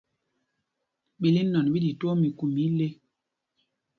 Ɓíl inɔn ɓí ɗi twóó miku mɛ ile.